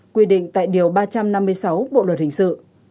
quy định tại điều ba trăm năm mươi sáu bộ luật hình sự